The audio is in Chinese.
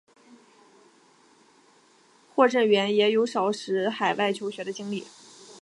霍震寰也有少时海外求学的经历。